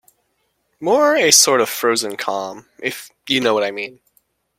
More a sort of frozen calm, if you know what I mean.